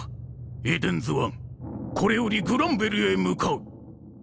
エデンズワンこれよりグランベルへ向かう。